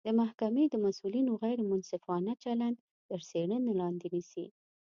د محکمې د مسوولینو غیر منصفانه چلند تر څیړنې لاندې نیسي